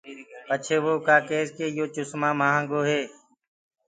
پڇي وو ڪيس نآ ڪي يو چسمو مهآنگو هي۔